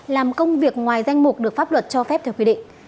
làm công việc ngoài danh mục được pháp luật cho phép theo quy định